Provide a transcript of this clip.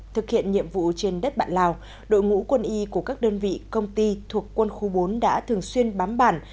thực hiện nhiệm vụ trên đất bạn lào đội ngũ quân y của các đơn vị công ty thuộc quân khu bốn đã thường xuyên bám bản